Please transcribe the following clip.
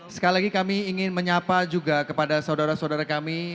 sekali lagi kami ingin menyapa juga kepada saudara saudara kami